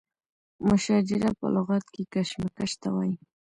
مشاجره په لغت کې کشمکش ته وایي.